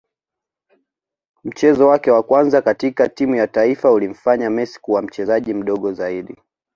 Mchezo wake wa kwanza katika timu ya taifa ulimfanya Messi kuwa mchezaji mdogo zaidi